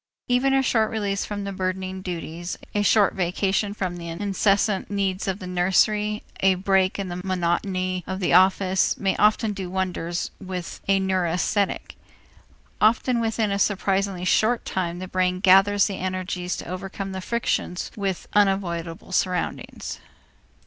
Even a short release from the burdening duties, a short vacation from the incessant needs of the nursery, a break in the monotony of the office, may often do wonders with a neurasthenic. Often within a surprisingly short time the brain gathers the energies to overcome the frictions with unavoidable surroundings.